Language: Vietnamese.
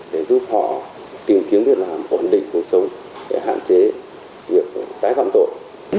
để giúp họ tìm kiếm việc làm ổn định cuộc sống để hạn chế việc tái phạm tội